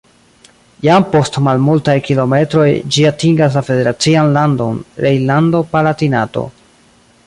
Jam post malmultaj kilometroj ĝi atingas la federacian landon Rejnlando-Palatinato.